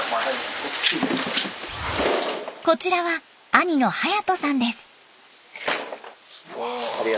こちらは兄の勇人さんです。